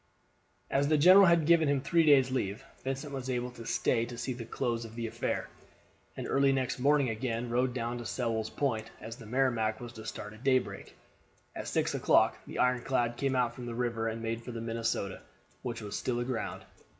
As the general had given him three days' leave, Vincent was able to stay to see the close of the affair, and early next morning again rode down to Sewell's Point, as the Merrimac was to start at daybreak. At six o'clock the ironclad came out from the river and made for the Minnesota, which was still aground.